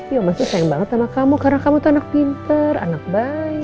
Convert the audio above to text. iya oma sih sayang banget sama kamu karena kamu tuh anak pinter anak baik ya